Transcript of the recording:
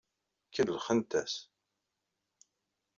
Kellxent-as.